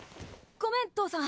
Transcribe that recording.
ごめん父さん。